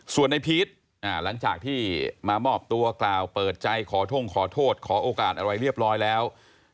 ส่วนในพีชหลังจากที่มามอบตัวกล่าวเปิดใจขอท่งขอโทษขอโอกาสอะไรเรียบร้อยแล้ว